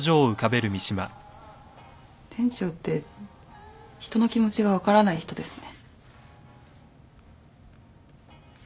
店長って人の気持ちが分からない人ですね。